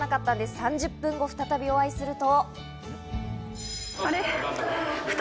３０分後、再びお会いすると。